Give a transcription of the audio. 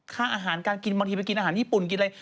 ค่าอาหารการกินบางทีไปกินอาหารญี่ปุ่นกินอะไร